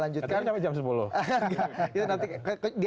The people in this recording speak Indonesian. lanjutkan sekarang sampai jam sepuluh nanti di